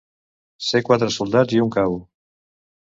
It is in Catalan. Ser quatre soldats i un cabo.